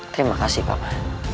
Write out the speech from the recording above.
terima kasih bapak